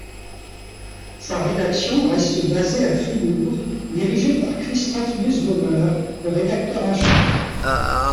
Sa rédaction reste basée à Fribourg, dirigée par Christoph Nussbaumer, le rédacteur en chef.